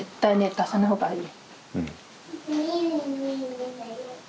出さない方がいい。